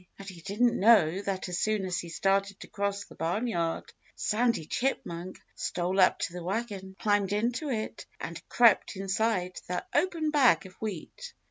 And he didn't know that as soon as he started to cross the barnyard, Sandy Chipmunk stole up to the wagon, climbed into it, and crept inside the open bag of wheat.